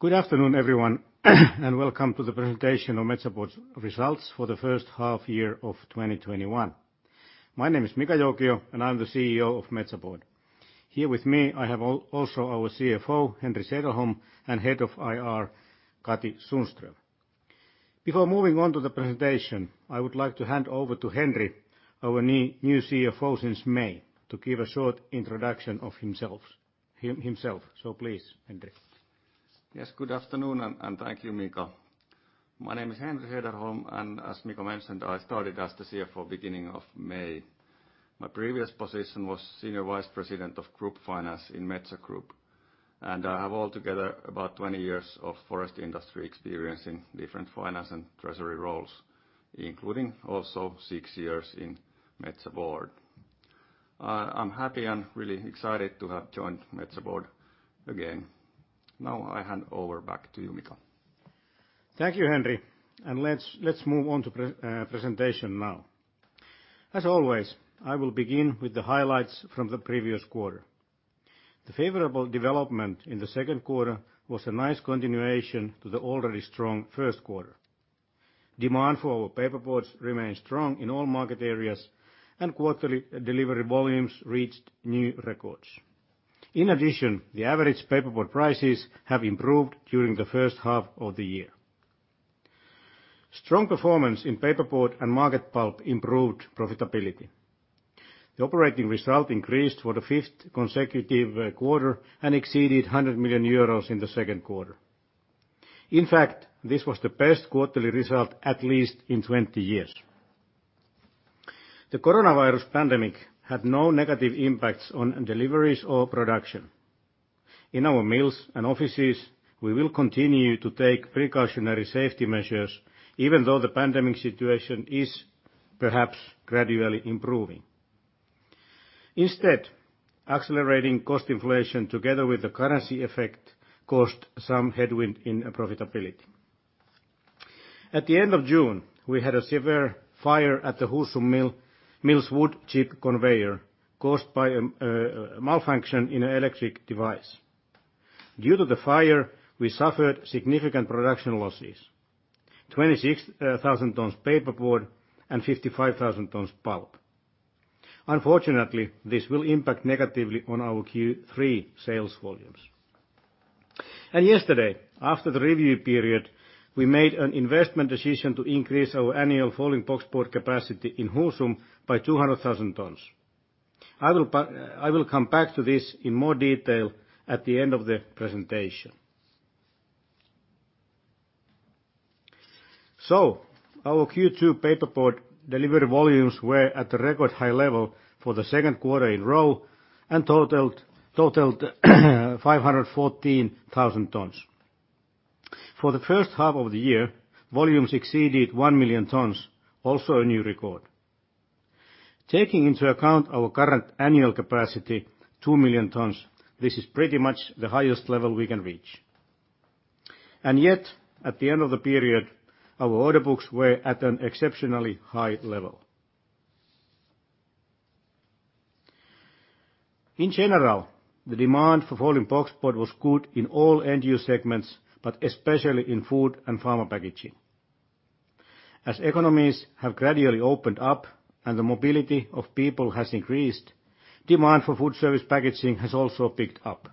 Good afternoon, everyone, and welcome to the presentation of Metsä Board's results for the first half year of 2021. My name is Mika Joukio, and I'm the CEO of Metsä Board. Here with me, I have also our CFO, Henri Sederholm, and Head of IR, Katri Sundström. Before moving on to the presentation, I would like to hand over to Henri, our new CFO since May, to give a short introduction of himself. Please, Henri. Yes, good afternoon, and thank you, Mika. My name is Henri Sederholm, and as Mika mentioned, I started as the CFO beginning of May. My previous position was Senior Vice President of Group Finance in Metsä Group. I have altogether about 20 years of forest industry experience in different finance and treasury roles, including also six years in Metsä Board. I'm happy and really excited to have joined Metsä Board again. Now I hand over back to you, Mika. Thank you, Henri. Let's move on to presentation now. As always, I will begin with the highlights from the previous quarter. The favorable development in the second quarter was a nice continuation to the already strong first quarter. Demand for our paperboards remained strong in all market areas, and quarterly delivery volumes reached new records. In addition, the average paperboard prices have improved during the first half of the year. Strong performance in paperboard and market pulp improved profitability. The operating result increased for the fifth consecutive quarter and exceeded 100 million euros in the second quarter. In fact, this was the best quarterly result at least in 20 years. The coronavirus pandemic had no negative impact on deliveries or production. In our mills and offices, we will continue to take precautionary safety measures, even though the pandemic situation is perhaps gradually improving. Instead, accelerating cost inflation together with the currency effect caused some headwind in profitability. At the end of June, we had a severe fire at the Husum mill's wood chip conveyor caused by a malfunction in an electric device. Due to the fire, we suffered significant production losses, 26,000 tons paperboard and 55,000 tons pulp. Unfortunately, this will impact negatively on our Q3 sales volumes. Yesterday, after the review period, we made an investment decision to increase our annual folding boxboard capacity in Husum by 200,000 tons. I will come back to this in more detail at the end of the presentation. Our Q2 paperboard delivery volumes were at a record high level for the second quarter in row and totaled 514,000 tons. For the first half of the year, volumes exceeded 1 million tons, also a new record. Taking into account our current annual capacity, 2 million tons, this is pretty much the highest level we can reach. Yet, at the end of the period, our order books were at an exceptionally high level. In general, the demand for folding boxboard was good in all end-use segments, but especially in food and pharma packaging. As economies have gradually opened up and the mobility of people has increased, demand for food service packaging has also picked up.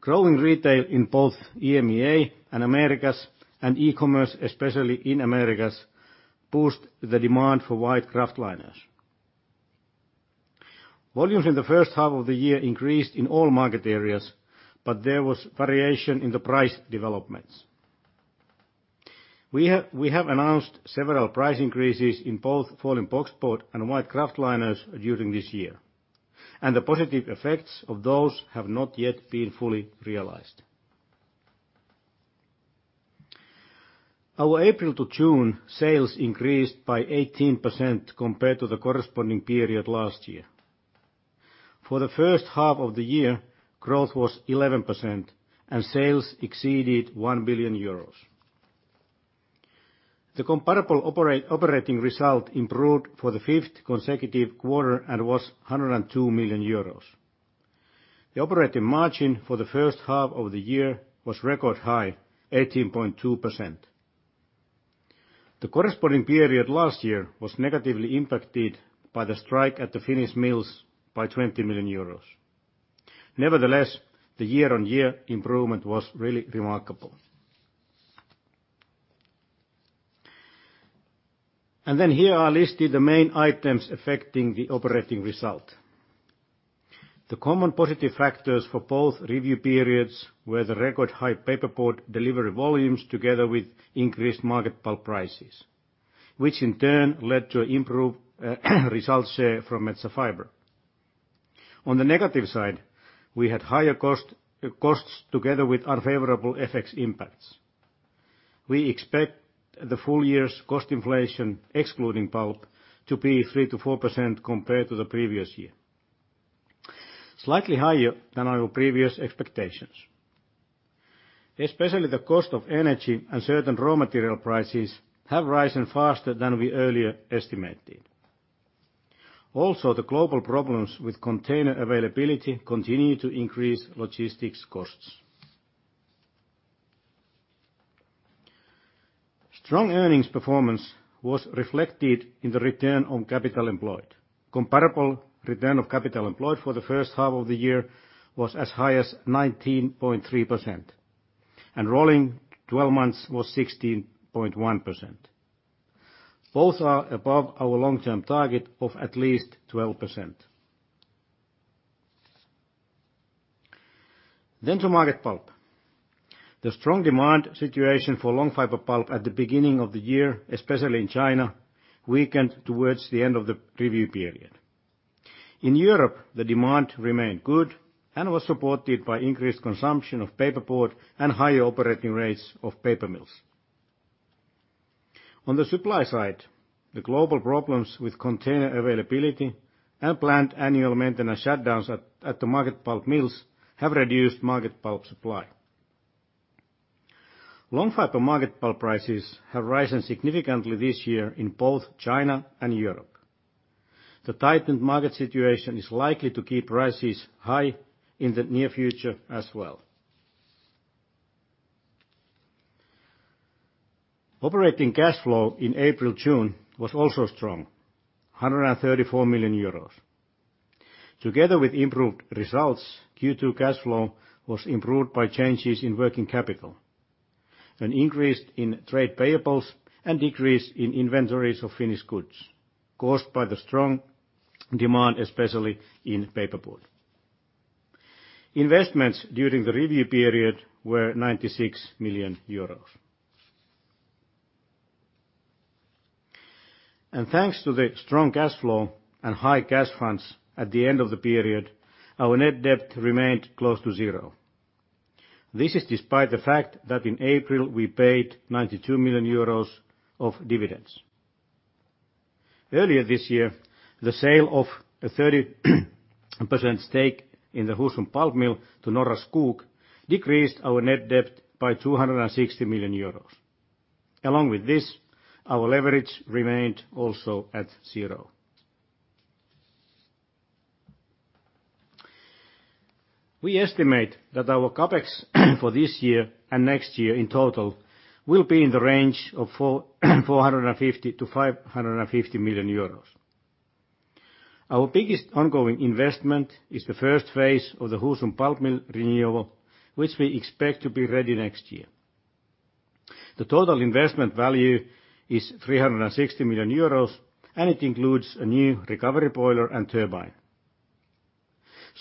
Growing retail in both EMEA and Americas, and e-commerce especially in Americas, boosts the demand for white kraftliners. Volumes in the first half of the year increased in all market areas, but there was variation in the price developments. We have announced several price increases in both folding boxboard and white kraftliners during this year. The positive effects of those have not yet been fully realized. Our April to June sales increased by 18% compared to the corresponding period last year. For the first half of the year, growth was 11%, and sales exceeded 1 billion euros. The comparable operating result improved for the fifth consecutive quarter and was 102 million euros. The operating margin for the first half of the year was record high, 18.2%. The corresponding period last year was negatively impacted by the strike at the Finnish mills by 20 million euros. Nevertheless, the year-on-year improvement was really remarkable. Then, here I listed the main items affecting the operating result. The common positive factors for both review periods were the record high paperboard delivery volumes together with increased market pulp prices, which in turn led to improved result share from Metsä Fibre. On the negative side, we had higher costs together with unfavorable FX impacts. We expect the full year's cost inflation excluding pulp to be 3%-4% compared to the previous year, slightly higher than our previous expectations. Especially, the cost of energy and certain raw material prices have risen faster than we earlier estimated. The global problems with container availability continue to increase logistics costs. Strong earnings performance was reflected in the return on capital employed. Comparable return of capital employed for the first half of the year was as high as 19.3%, and rolling 12 months was 16.1%. Both are above our long-term target of at least 12%. To market pulp. The strong demand situation for long fiber pulp at the beginning of the year, especially in China, weakened towards the end of the review period. In Europe, the demand remained good and was supported by increased consumption of paperboard and higher operating rates of paper mills. On the supply side, the global problems with container availability and planned annual maintenance shutdowns at the market pulp mills have reduced market pulp supply. Long fiber market pulp prices have risen significantly this year in both China and Europe. The tightened market situation is likely to keep prices high in the near future as well. Operating cash flow in April, June was also strong, 134 million euros. Together with improved results, Q2 cash flow was improved by changes in working capital, an increase in trade payables, and decrease in inventories of finished goods caused by the strong demand, especially in paperboard. Investments during the review period were 96 million euros. Thanks to the strong cash flow and high cash funds at the end of the period, our net debt remained close to zero. This is despite the fact that in April, we paid 22 million euros of dividends. Earlier this year, the sale of a 30% stake in the Husum pulp mill to Norra Skog decreased our net debt by 260 million euros. Along with this, our leverage remained also at zero. We estimate that our CapEx for this year and next year in total will be in the range of 450 million-550 million euros. Our biggest ongoing investment is the first phase of the Husum pulp mill renewal, which we expect to be ready next year. The total investment value is 360 million euros. It includes a new recovery boiler and turbine.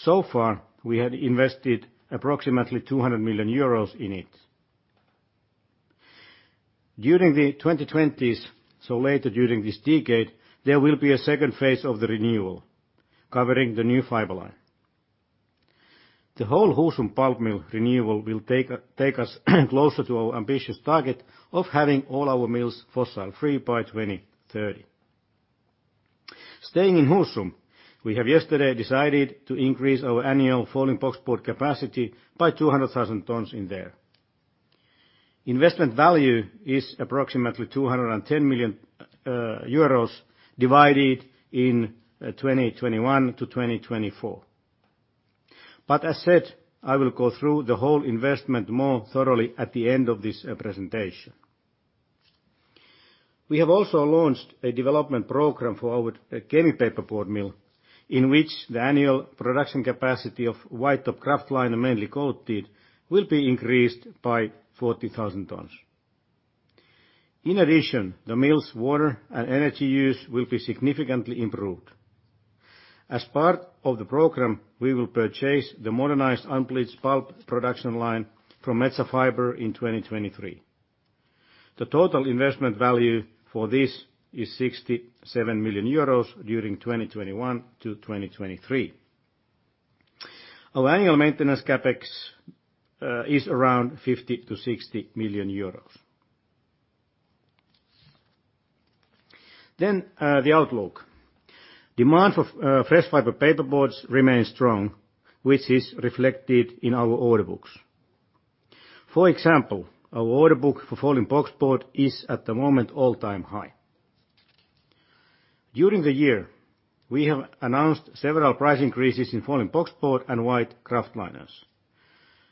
Far, we have invested approximately 200 million euros in it. During the 2020s, so later during this decade, there will be a second phase of the renewal, covering the new fiber line. The whole Husum pulp mill renewal will take us closer to our ambitious target of having all our mills fossil-free by 2030. Staying in Husum, we have yesterday decided to increase our annual folding boxboard capacity by 200,000 tons in there. As said, I will go through the whole investment more thoroughly at the end of this presentation. We have also launched a development program for our Kemi paperboard mill, in which the annual production capacity of white top kraftliner, mainly coated, will be increased by 40,000 tons. In addition, the mill's water and energy use will be significantly improved. As part of the program, we will purchase the modernized unbleached pulp production line from Metsä Fibre in 2023. The total investment value for this is 67 million euros during 2021 to 2023. Our annual maintenance CapEx is around EUR 50 million-EUR 60 million. The outlook. Demand for fresh fiber paperboards remains strong, which is reflected in our order books. For example, our order book for folding boxboard is at the moment all-time high. During the year, we have announced several price increases in folding boxboard and white kraftliners.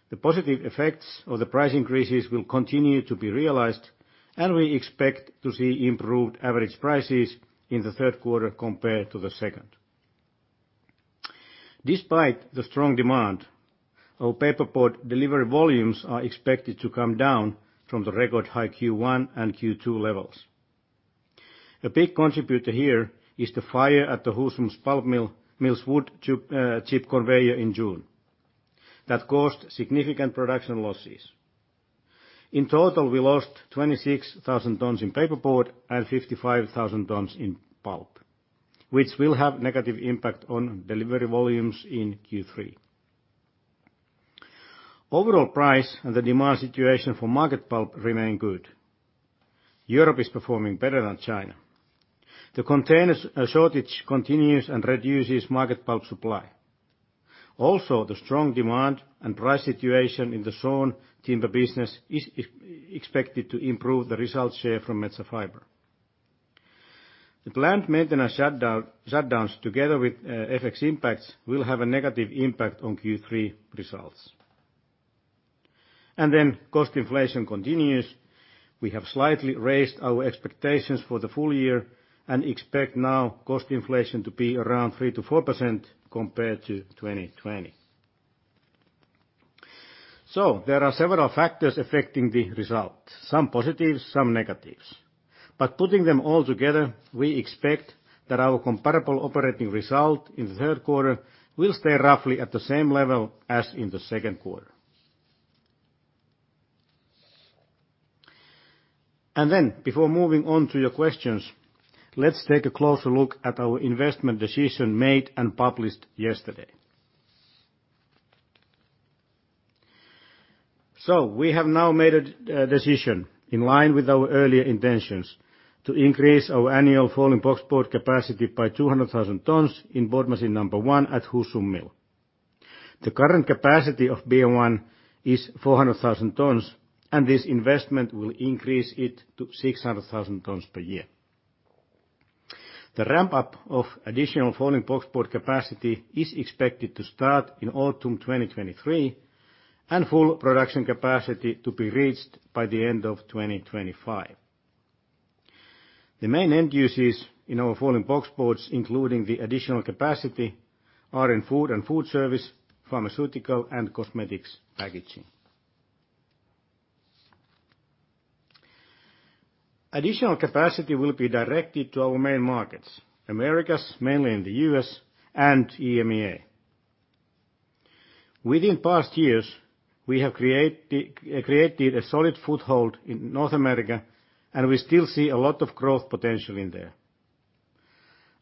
The positive effects of the price increases will continue to be realized, and we expect to see improved average prices in the third quarter compared to the second. Despite the strong demand, our paperboard delivery volumes are expected to come down from the record-high Q1 and Q2 levels. A big contributor here is the fire at the Husum pulp mill's wood chip conveyor in June that caused significant production losses. In total, we lost 26,000 tons in paperboard and 55,000 tons in pulp, which will have a negative impact on delivery volumes in Q3. Overall price and the demand situation for market pulp remain good. Europe is performing better than China. The container shortage continues and reduces market pulp supply. Also, the strong demand and price situation in the sawn timber business is expected to improve the result share from Metsä Fibre. The planned maintenance shutdowns, together with FX impacts, will have a negative impact on Q3 results. Cost inflation continues. We have slightly raised our expectations for the full year and expect now cost inflation to be around 3%-4% compared to 2020. There are several factors affecting the results, some positives, some negatives. Putting them all together, we expect that our comparable operating result in the third quarter will stay roughly at the same level as in the second quarter. Before moving on to your questions, let's take a closer look at our investment decision made and published yesterday. We have now made a decision in line with our earlier intentions to increase our annual folding boxboard capacity by 200,000 tons in board machine number one at Husum Mill. The current capacity of BM1 is 400,000 tons, and this investment will increase it to 600,000 tons per year. The ramp-up of additional folding boxboard capacity is expected to start in autumn 2023, and full production capacity to be reached by the end of 2025. The main end uses in our folding boxboards, including the additional capacity, are in food and food service, pharmaceutical, and cosmetics packaging. Additional capacity will be directed to our main markets, Americas, mainly in the U.S., and EMEA. Within past years, we have created a solid foothold in North America, and we still see a lot of growth potential there.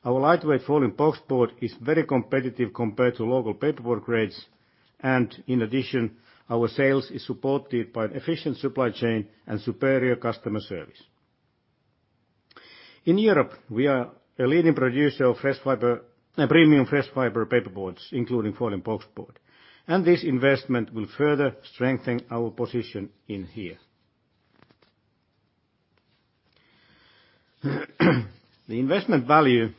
Our lightweight folding boxboard is very competitive compared to local paperboard grades, and in addition, our sales is supported by an efficient supply chain and superior customer service. In Europe, we are a leading producer of premium fresh fiber paperboards, including folding boxboard, and this investment will further strengthen our position here. The investment value,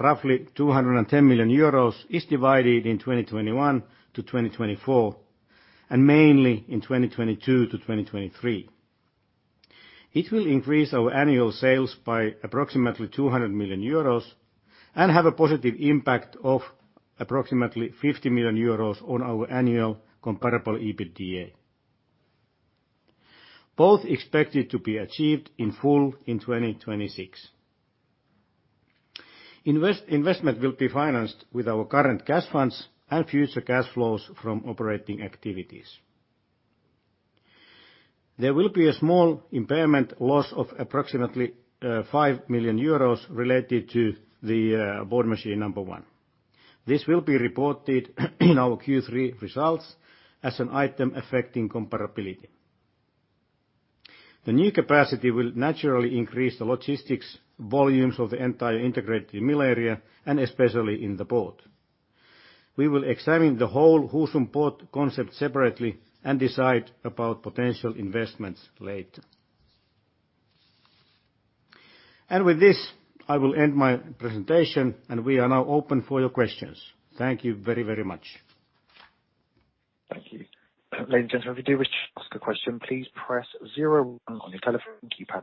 roughly 210 million euros, is divided in 2021-2024, and mainly in 2022-2023. It will increase our annual sales by approximately 200 million euros and have a positive impact of approximately 50 million euros on our annual comparable EBITDA. Both expected to be achieved in full in 2026. Investment will be financed with our current cash funds and future cash flows from operating activities. There will be a small impairment loss of approximately 5 million euros related to the board machine number one. This will be reported in our Q3 results as an item affecting comparability. The new capacity will naturally increase the logistics volumes of the entire integrated mill area, especially in the port. We will examine the whole Husum port concept separately and decide about potential investments later. With this, I will end my presentation, and we are now open for your questions. Thank you very much. Thank you. Ladies and gentlemen, if you do wish to ask a question, please press zero on your telephone keypad.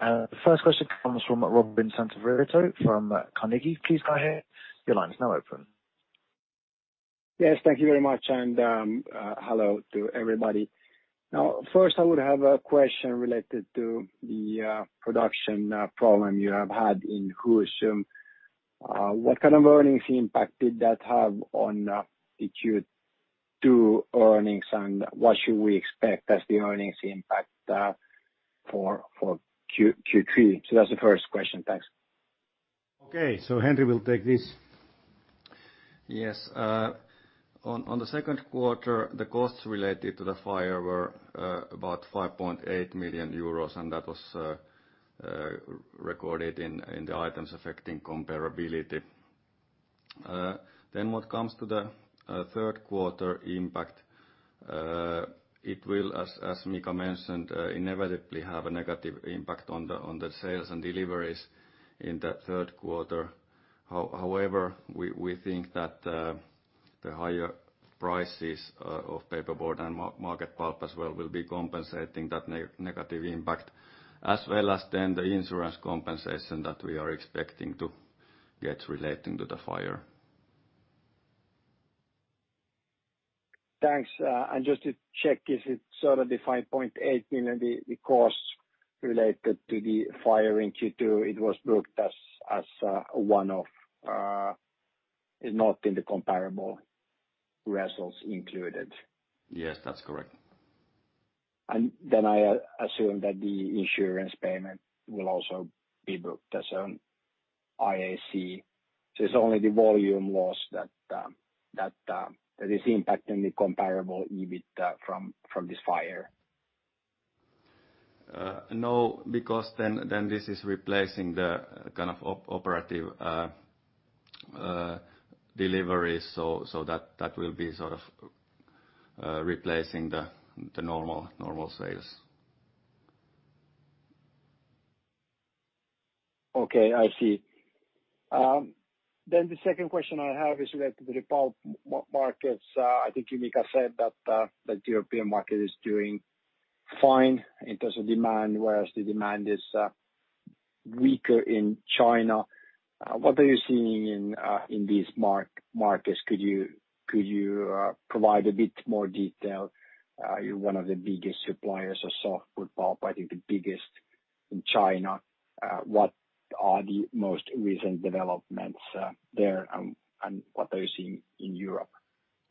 The first question comes from Robin Santavirta from Carnegie Investment Bank. Your line is now open. Yes, thank you very much, and hello to everybody. First, I would have a question related to the production problem you have had in Husum. What kind of earnings impact did that have on the Q2 earnings, and what should we expect as the earnings impact for Q3? That's the first question. Thanks. Okay. Henri will take this. Yes. On the second quarter, the costs related to the fire were about 5.8 million euros, that was recorded in the items affecting comparability. What comes to the third quarter impact, it will, as Mika mentioned, inevitably have a negative impact on the sales and deliveries in the third quarter. We think that the higher prices of paperboard and market pulp as well will be compensating that negative impact, as well as then the insurance compensation that we are expecting to get relating to the fire. Thanks. Just to check, is it sort of the 5.8 million, the cost related to the fire in Q2, it was booked as a one-off, not in the comparable results included? Yes, that's correct. I assume that the insurance payment will also be booked as an IAC. It's only the volume loss that is impacting the comparable EBIT from this fire? No, because then this is replacing the operative deliveries, so that will be replacing the normal sales. Okay, I see. The second question I have is related to the pulp markets. I think Mika Joukio said that the European market is doing fine in terms of demand, whereas the demand is weaker in China. What are you seeing in these markets? Could you provide a bit more detail? You're one of the biggest suppliers of softwood pulp, I think the biggest in China. What are the most recent developments there, and what are you seeing in Europe?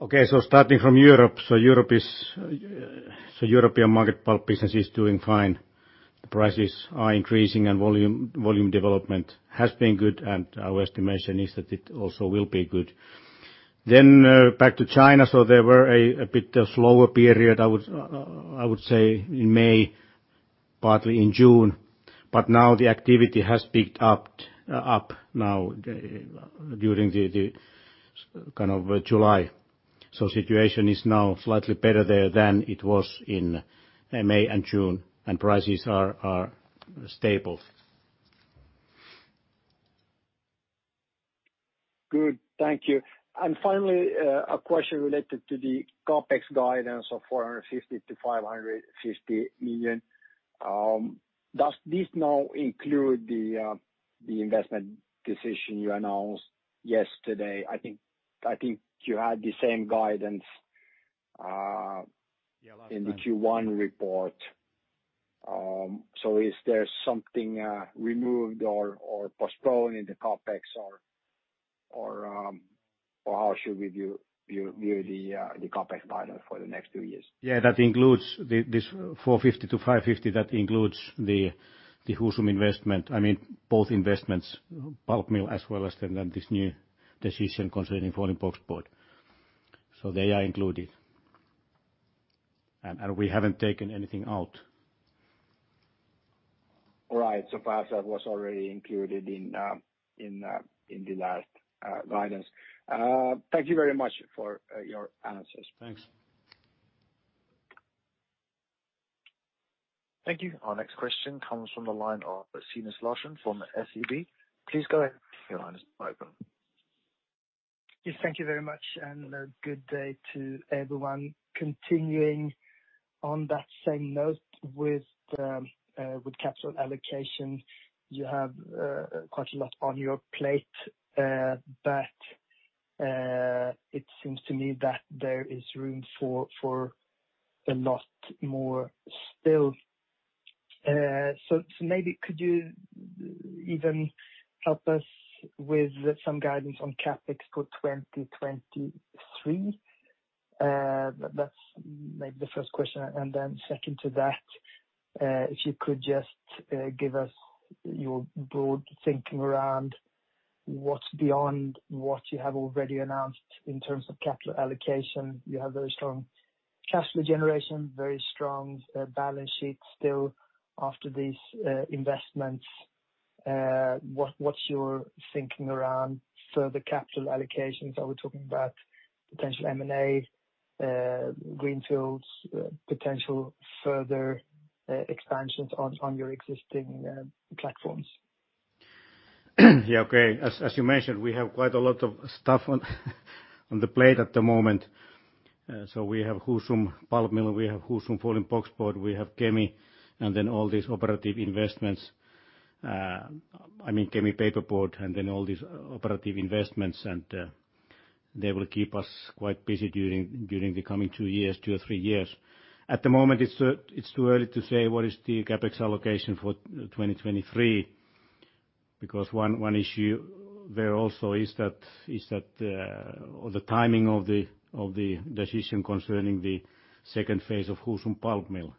Okay. Starting from Europe, European market pulp business is doing fine. The prices are increasing, and volume development has been good, and our estimation is that it also will be good. Back to China. There were a bit of slower period, I would say, in May, partly in June. Now the activity has picked up now during the July. Situation is now slightly better there than it was in May and June, and prices are stable. Good. Thank you. Finally, a question related to the CapEx guidance of 450 million-550 million. Does this now include the investment decision you announced yesterday? I think you had the same guidance. Yeah, last time. In the Q1 report. Is there something removed or postponed in the CapEx or how should we view the CapEx guidance for the next two years? Yeah, this 450-550, that includes the Husum investment. I mean, both investments, pulp mill as well as this new decision concerning folding boxboard. They are included. We haven't taken anything out. Right. So far, that was already included in the last guidance. Thank you very much for your answers. Thanks. Thank you. Our next question comes from the line of Linus Larsson from SEB. Please go ahead. Your line is open. Yes, thank you very much, good day to everyone. Continuing on that same note, with capital allocation, you have quite a lot on your plate. It seems to me that there is room for a lot more still. Maybe could you even help us with some guidance on CapEx for 2023? That's maybe the first question. Second to that, if you could just give us your broad thinking around what's beyond what you have already announced in terms of capital allocation. You have very strong cash flow generation, very strong balance sheet still after these investments. What's your thinking around further capital allocations? Are we talking about potential M&A, greenfields, potential further expansions on your existing platforms? Yeah, okay. As you mentioned, we have quite a lot of stuff on the plate at the moment. We have Husum pulp mill, we have Husum folding boxboard, we have Kemi, and then all these operative investments. I mean, Kemi paperboard and then all these operative investments, and they will keep us quite busy during the coming two or three years. At the moment, it's too early to say what is the CapEx allocation for 2023, because one issue there also is that the timing of the decision concerning the second phase of Husum pulp mill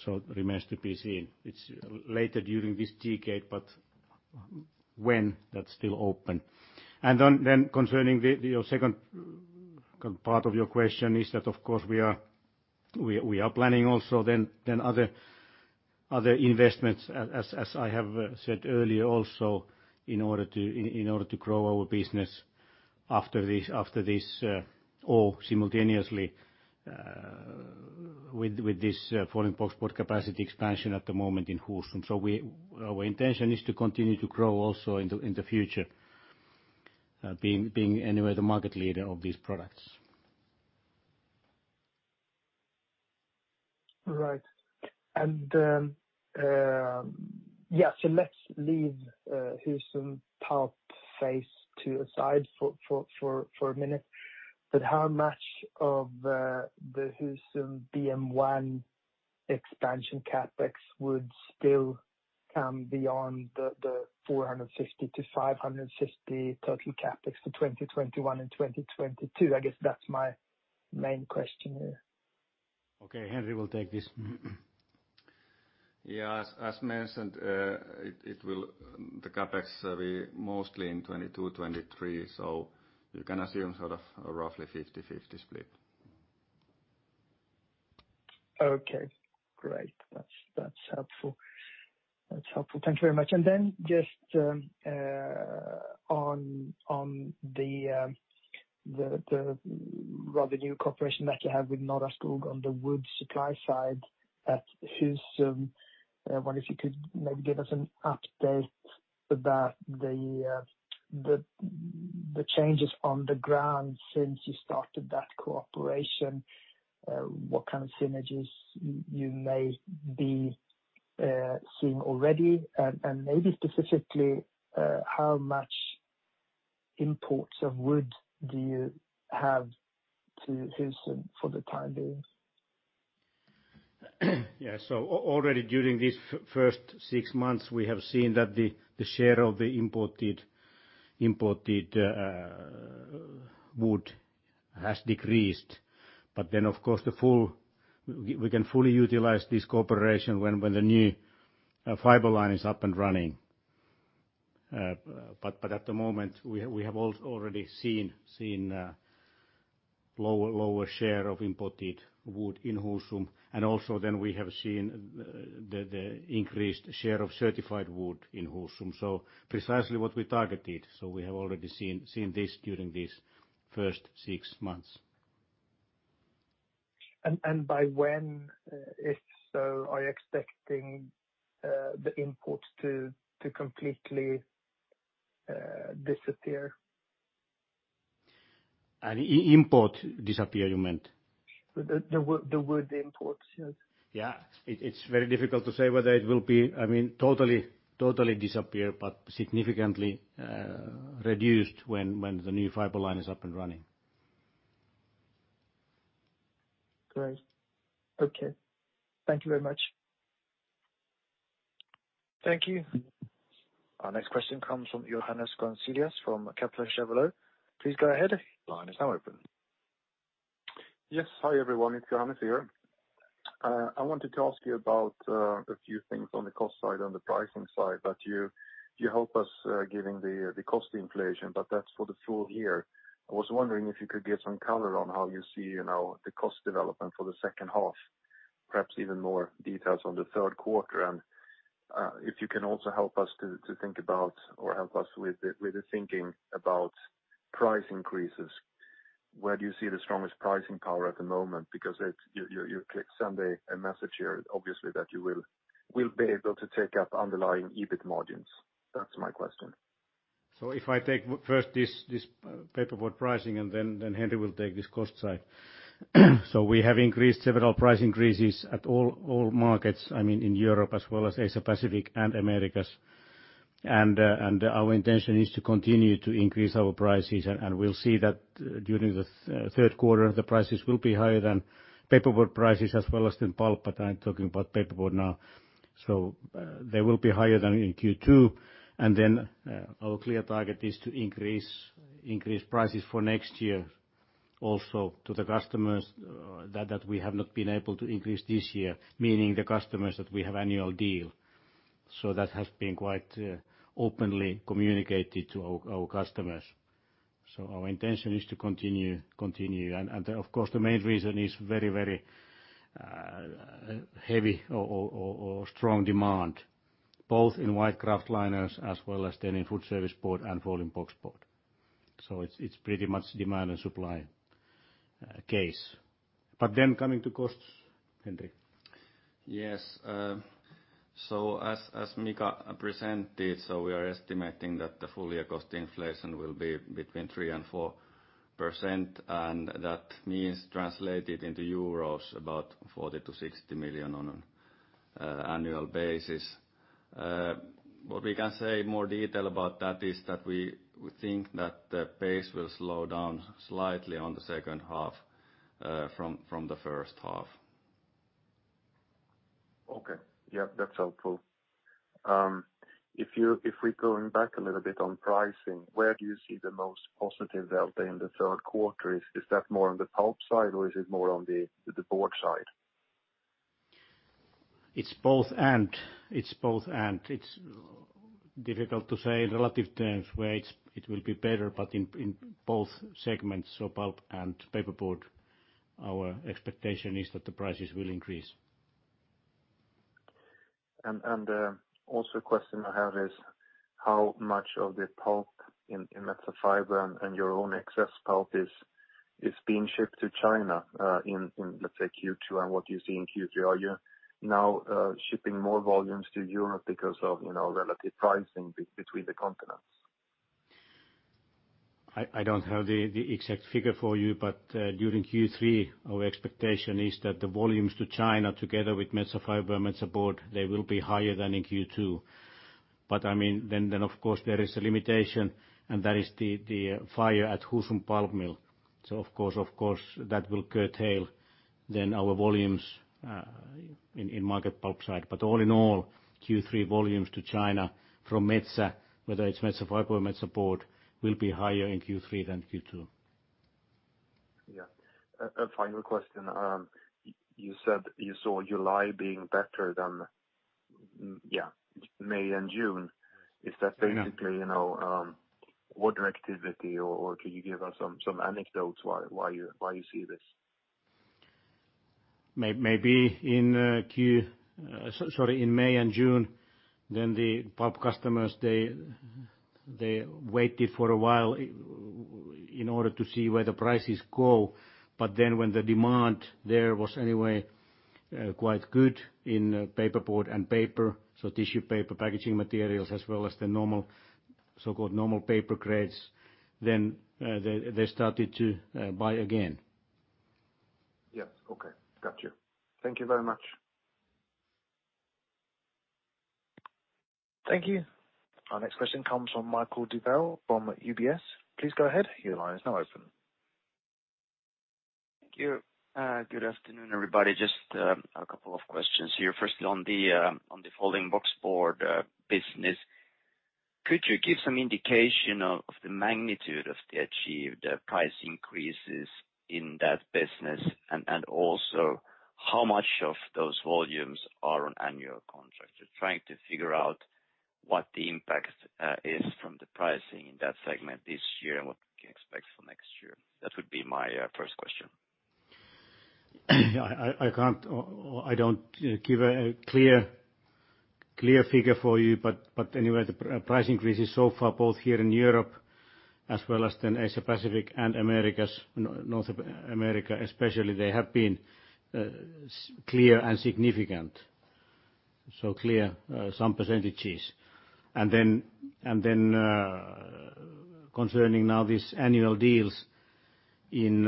still remains to be seen. It's later during this decade, when that's still open. Concerning your second part of your question is that, of course, we are planning also the other investments, as I have said earlier, also in order to grow our business after this or simultaneously with this folding boxboard capacity expansion at the moment in Husum. Our intention is to continue to grow also in the future, being anyway the market leader of these products. Right. Let's leave Husum pulp phase II aside for a minute. How much of the Husum BM-1 expansion CapEx would still come beyond the 450-550 total CapEx for 2021 and 2022? I guess that's my main question here. Okay. Henri will take this. Yeah. As mentioned, the CapEx will be mostly in 2022, 2023, so you can assume sort of a roughly 50/50 split. Okay, great. That's helpful. Thank you very much. Then, just on the rather new cooperation that you have with Norra Skog on the wood supply side at Husum, I wonder if you could maybe give us an update about the changes on the ground since you started that cooperation, what kind of synergies you may be seeing already, and maybe specifically, how much imports of wood do you have to Husum for the time being? Already during these first six months, we have seen that the share of the imported wood has decreased. Of course, we can fully utilize this cooperation when the new fiber line is up and running. At the moment, we have already seen a lower share of imported wood in Husum, and also we have seen the increased share of certified wood in Husum. Precisely what we targeted. We have already seen this during these first six months. By when, if so, are you expecting the imports to completely disappear? Import disappear, you meant? The wood imports, yes. Yeah. It's very difficult to say whether it will be totally disappear, but significantly reduced when the new fiber line is up and running. Great. Okay. Thank you very much. Thank you. Our next question comes from Johannes Grunselius from Kepler Cheuvreux. Please go ahead. Yes. Hi, everyone. It's Johannes here. I wanted to ask you about a few things on the cost side, on the pricing side, that you help us, giving the cost inflation, but that's for the full year. I was wondering if you could give some color on how you see the cost development for the second half, perhaps even more details on the third quarter. If you can also help us to think about or help us with the thinking about price increases. Where do you see the strongest pricing power at the moment? You sent a message here, obviously, that you will be able to take up underlying EBIT margins. That's my question. If I take first this paperboard pricing and then Henri Sederholm will take this cost side. We have increased several price increases at all markets, I mean, in Europe as well as Asia Pacific and Americas. Our intention is to continue to increase our prices, and we'll see that during the third quarter, the prices will be higher than paperboard prices as well as in pulp, but I'm talking about paperboard now. They will be higher than in Q2. Our clear target is to increase prices for next year, also to the customers that we have not been able to increase this year, meaning the customers that we have annual deals. That has been quite openly communicated to our customers. Our intention is to continue. Of course, the main reason is very heavy or strong demand, both in white kraftliners as well as in food service board and folding boxboard. It's pretty much a demand and supply case. Coming to costs, Henri. Yes. As Mika presented, we are estimating that the full year cost inflation will be between 3% and 4%, and that means translated into EUR about 40 million-60 million on an annual basis. What we can say more details about that is that we think that the pace will slow down slightly on the second half, from the first half. Okay. Yeah, that's helpful. Going back a little bit on pricing, where do you see the most positive development in the third quarter? Is that more on the pulp side or is it more on the board side? It's both and. It's difficult to say in relative terms where it will be better. In both segments, pulp and paperboard, our expectation is that the prices will increase. Also, a question I have is how much of the pulp in Metsä Fibre and your own excess pulp is being shipped to China in, let's say, Q2 and what you see in Q3? Are you now shipping more volumes to Europe because of relative pricing between the continents? I don't have the exact figure for you. During Q3, our expectation is that the volumes to China, together with Metsä Fibre and Metsä Board, they will be higher than in Q2. Of course, there is a limitation, and that is the fire at Husum Pulp Mill. Of course, that will curtail then our volumes in market pulp side. All in all, Q3 volumes to China from Metsä, whether it's Metsä Fibre or Metsä Board, will be higher in Q3 than Q2. Yeah. A final question. You said you saw July being better than May and June. Is that basically order activity or can you give us some anecdotes why you see this? Maybe in May and June, the pulp customers, they waited for a while in order to see where the prices go. When the demand there was anyway quite good in paperboard and paper, tissue paper, packaging materials, as well as the so-called normal paper grades, then they started to buy again. Yes. Okay. Got you. Thank you very much. Thank you. Our next question comes from Mikael Doepel from UBS. Please go ahead. Your line is now open. Thank you. Good afternoon, everybody. Just a couple of questions here. Firstly, on the folding boxboard business, could you give some indication of the magnitude of the achieved price increases in that business? Also, how much of those volumes are on annual contracts? Just trying to figure out what the impact is from the pricing in that segment this year and what we can expect for next year. That would be my first question. I don't give a clear figure for you, but anyway, the price increases so far, both here in Europe as well as then Asia Pacific and Americas, North America especially, they have been clear and significant. Clear, some percentages. Concerning now these annual deals in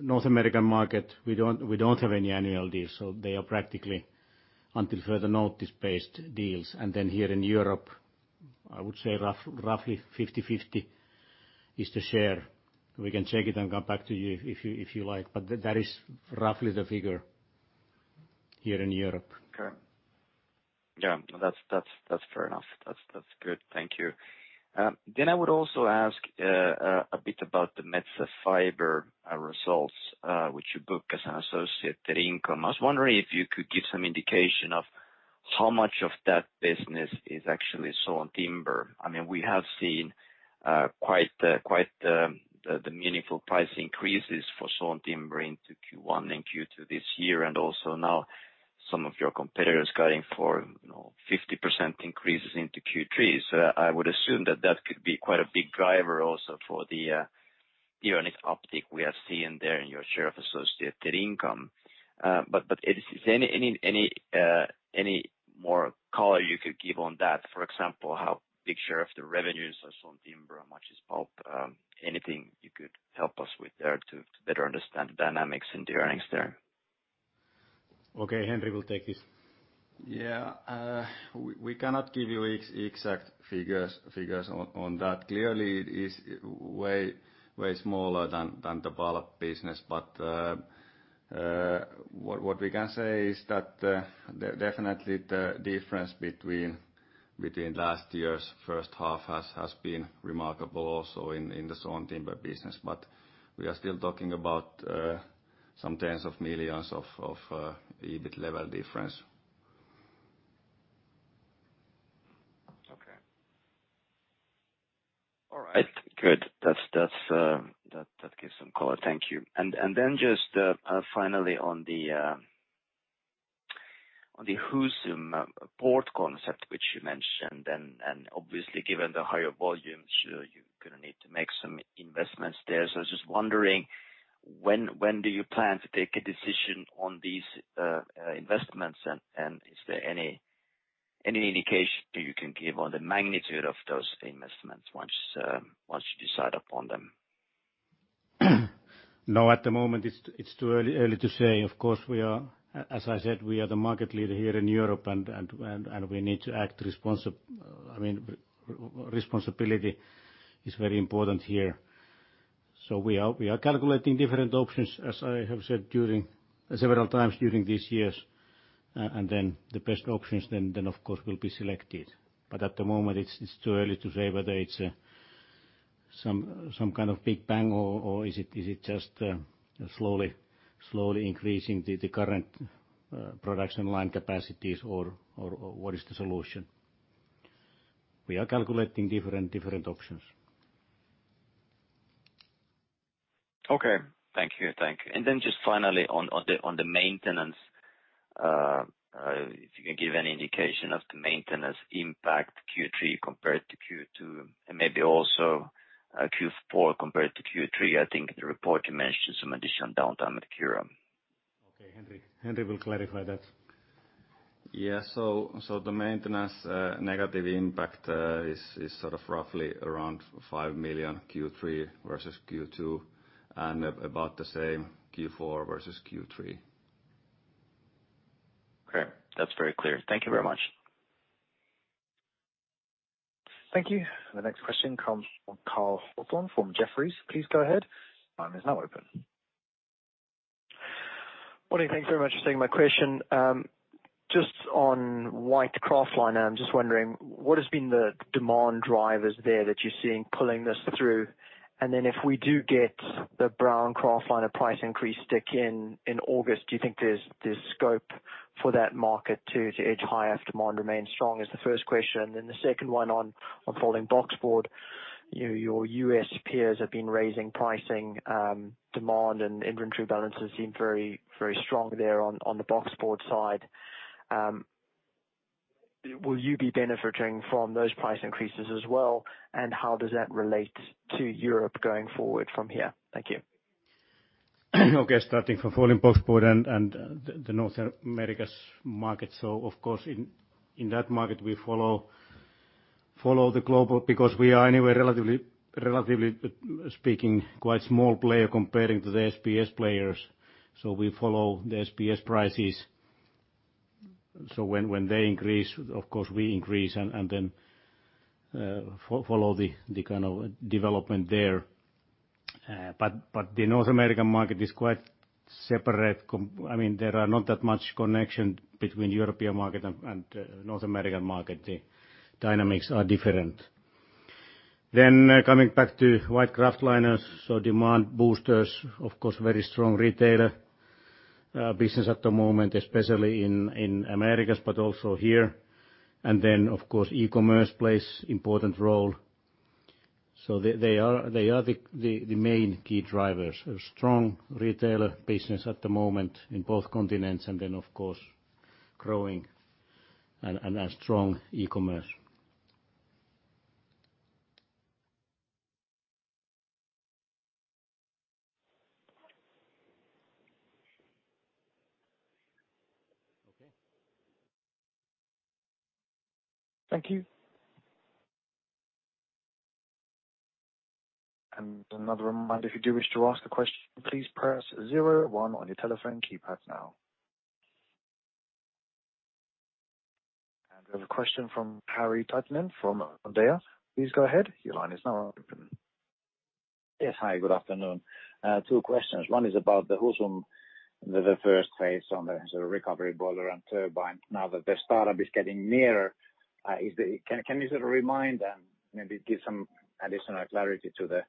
North American market, we don't have any annual deals, so they are practically until further notice-based deals. Here in Europe, I would say roughly 50/50 is the share. We can check it and come back to you if you like, but that is roughly the figure here in Europe. Okay. Yeah, that's fair enough. That's good. Thank you. I would also ask a bit about the Metsä Fibre results, which you book as an associated income. I was wondering if you could give some indication of how much of that business is actually sawn timber. We have seen quite the meaningful price increases for sawn timber into Q1 and Q2 this year, also now some of your competitors guiding for 50% increases into Q3. I would assume that that could be quite a big driver also for the earnings uptick we are seeing there in your share of associated income. Is there any more color you could give on that? For example, how big share of the revenues are sawn timber? How much is pulp? Anything you could help us with there to better understand the dynamics in the earnings? Okay, Henri will take this. Yeah. We cannot give you exact figures on that. Clearly, it is way smaller than the pulp business. What we can say is that definitely the difference between last year's first half has been remarkable, also in the sawn timber business. We are still talking about some EUR tens of millions of EBIT level difference. Okay. All right, good. That gives some color. Thank you. Just finally, on the Husum port concept, which you mentioned, and obviously given the higher volumes, you're going to need to make some investments there. I was just wondering, when do you plan to take a decision on these investments? Is there any indication you can give on the magnitude of those investments once you decide upon them? No, at the moment it's too early to say. Of course, as I said, we are the market leader here in Europe, we need to act responsibly. Responsibility is very important here. We are calculating different options, as I have said several times during these years, the best options then, of course, will be selected. At the moment, it's too early to say whether it's some kind of big bang or is it's just slowly increasing the current production line capacities, or what is the solution. We are calculating different options. Okay. Thank you. Just finally, on the maintenance, if you can give any indication of the maintenance impact Q3 compared to Q2, and maybe also Q4 compared to Q3. I think in the report you mentioned some additional downtime at Kemi. Okay, Henri. Henri will clarify that. Yeah. The maintenance negative impact is roughly around 5 million Q3 versus Q2, and about the same Q4 versus Q3. Okay. That's very clear. Thank you very much. Thank you. The next question comes from Cole Hathorn from Jefferies. Please go ahead. Morning. Thank you very much for taking my question. Just on white kraftliner, I'm just wondering what has been the demand drivers there that you're seeing pulling this through? If we do get the brown kraftliner price increase stick in August, do you think there's scope for that market to edge higher if demand remains strong? Is the first question. The second one on folding boxboard. Your U.S. peers have been raising pricing, demand, and inventory balances seem very strong there on the boxboard side. Will you be benefiting from those price increases as well, and how does that relate to Europe going forward from here? Thank you. Okay, starting from folding boxboard and the North America's market. Of course, in that market, we follow the global because we are, anyway, relatively speaking, quite a small player comparing to the SBS players. We follow the SBS prices. When they increase, of course, we increase and follow the kind of development there. The North American market is quite separate. There are not that much connection between European market and North American market. The dynamics are different. Coming back to white kraftliners, demand boosters, of course, very strong retailer business at the moment, especially in Americas, but also here. Of course, e-commerce plays important role. They are the main key drivers. A strong retailer business at the moment in both continents, of course, growing, and a strong e-commerce. Okay. Thank you. Another reminder, if you do wish to ask a question, please press zero one on your telephone keypad now. We have a question from Henri Parkkinen from OP Corporate Bank. Please go ahead. Your line is now open. Yes. Hi, good afternoon. Two questions. One is about the Husum, the first phase on the recovery boiler and turbine. Now that the startup is getting nearer, can you sort of remind and maybe give some additional clarity to the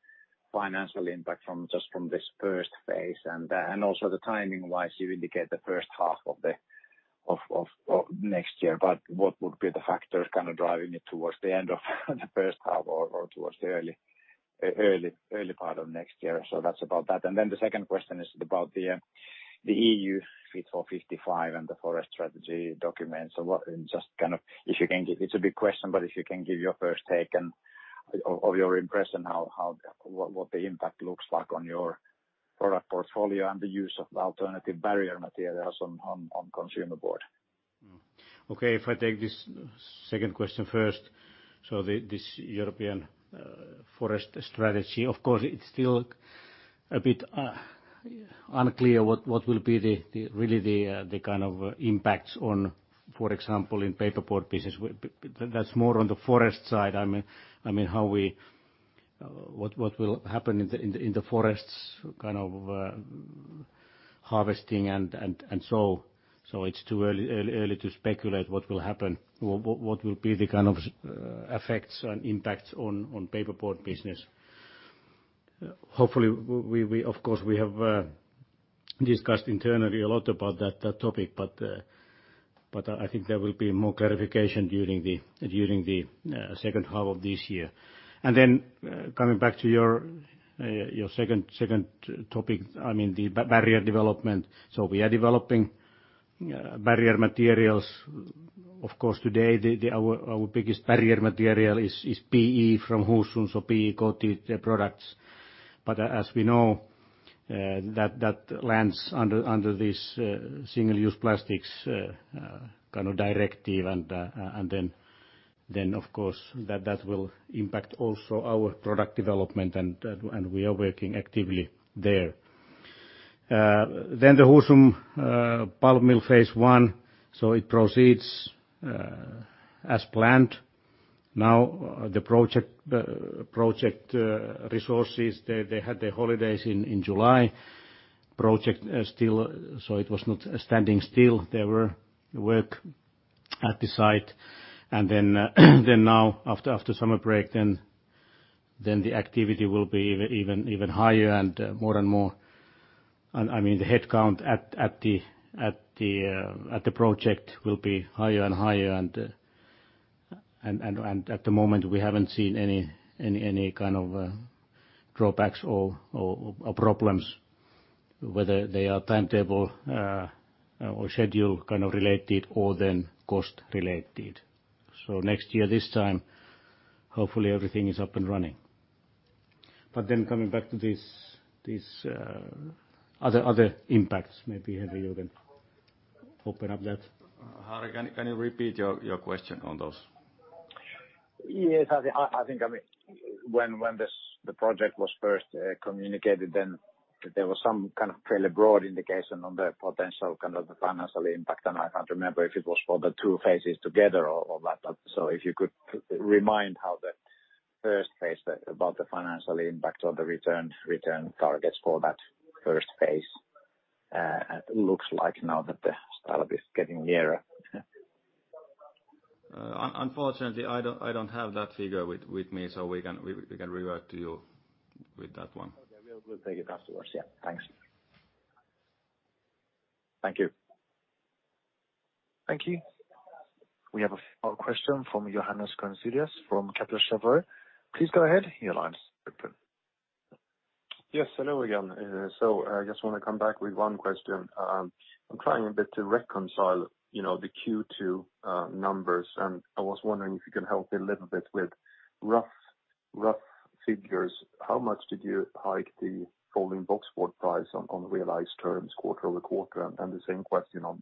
financial impact just from this first phase, and also the timing-wise, you indicate the first half of next year, but what would be the factors kind of driving it towards the end of the first half or towards the early part of next year? That's about that. The second question is about the EU Fit for 55 and the forest strategy documents. It's a big question, but if you can give your first take of your impression, what the impact looks like on your product portfolio, and the use of alternative barrier materials on consumer board. Okay, if I take this second question first. This European forest strategy, of course, it's still a bit unclear what will be really the kind of impacts on, for example, in paperboard business. That's more on the forest side. What will happen in the forests, kind of harvesting, and so. It's too early to speculate what will happen or what will be the kind of effects and impacts on paperboard business. Of course, we have discussed internally a lot about that topic, but I think there will be more clarification during the second half of this year. Coming back to your second topic, the barrier development. We are developing barrier materials. Of course, today, our biggest barrier material is PE from Husum, so PE-coated products. As we know, that lands under this Single-Use Plastics Directive, and then, of course, that will impact also our product development, and we are working actively there. The Husum pulp mill phase I, so it proceeds as planned. Now, the project resources, they had their holidays in July. It was not standing still. There were work at the site. Now, after summer break, then the activity will be even higher, the headcount at the project will be higher and higher, and at the moment, we haven't seen any kind of drawbacks or problems, whether they are timetable or schedule kind of related or then cost-related. Next year, this time, hopefully, everything is up and running. Coming back to these other impacts, maybe, Henri Sederholm, you can open up that. Henri Parkkinen, can you repeat your question on those? Yes. I think when the project was first communicated, there was some kind of fairly broad indication on the potential kind of the financial impact. I can't remember if it was for the two phases together or what. If you could remind how the? First phase about the financial impact of the return targets for that first phase, looks like now that the startup is getting nearer. Unfortunately, I don't have that figure with me, so we can revert to you with that one. Okay. We'll take it afterwards. Yeah, thanks. Thank you. Thank you. We have a question from Johannes Grunselius from Kepler Cheuvreux. Please go ahead. Your line is open. Yes, hello again. I just want to come back with one question. I am trying a bit to reconcile the Q2 numbers, and I was wondering if you can help me a little bit with rough figures. How much did you hike the folding boxboard price on realized terms quarter-over-quarter, and the same question on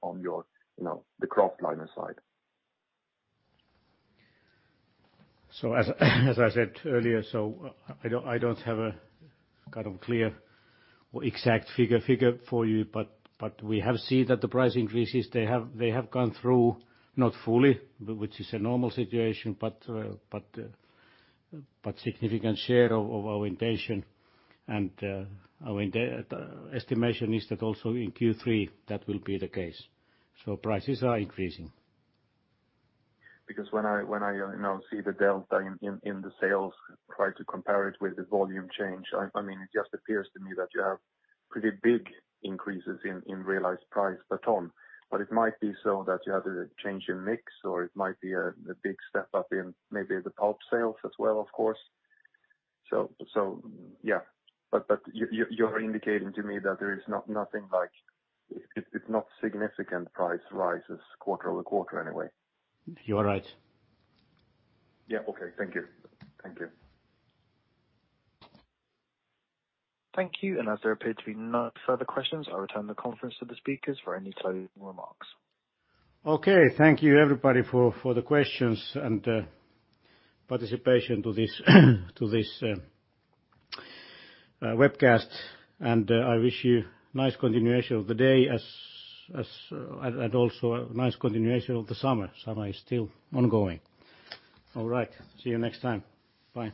the kraftliner side? As I said earlier, I don't have a kind of clear or exact figure for you, but we have seen that the price increases, they have gone through, not fully, which is a normal situation, a significant share of our intention. Our estimation is that also in Q3 that will be the case. Prices are increasing. When I now see the delta in the sales, try to compare it with the volume change. It just appears to me that you have pretty big increases in realized price per ton. It might be so that you had a change in mix, or it might be a big step up in maybe the pulp sales as well, of course. Yeah. You're indicating to me that it's not significant price rises quarter-over-quarter anyway. You are right. Yeah. Okay. Thank you. Thank you. As there appear to be no further questions, I'll return the conference to the speakers for any closing remarks. Okay. Thank you, everybody for the questions and participation to this webcast. I wish you a nice continuation of the day and also a nice continuation of the summer. Summer is still ongoing. All right. See you next time. Bye.